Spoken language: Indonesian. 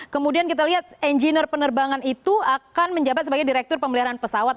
kemudian kita lihat engineer penerbangan itu akan menjabat sebagai direktur pemeliharaan pesawat